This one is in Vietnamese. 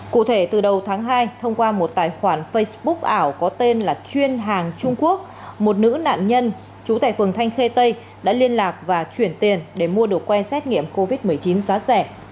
cụ thể từ đầu tháng hai thông qua một tài khoản facebook ảo có tên là chuyên hàng trung quốc một nữ nạn nhân trú tại phường thanh khê tây đã liên lạc và chuyển tiền để mua được quay xét nghiệm covid một mươi chín giá rẻ